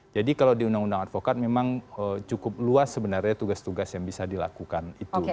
jadi kalau di undang undang advokat memang cukup luas sebenarnya tugas tugas yang bisa dilakukan